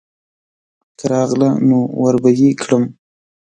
که راغله نو وربه یې کړم.